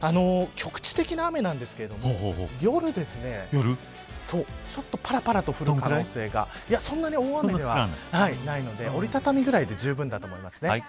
局地的な雨ですが夜ちょっとぱらぱらと降る可能性がそんなに大雨ではないので折り畳みぐらいでじゅうぶんだと思います。